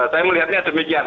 saya melihatnya demikian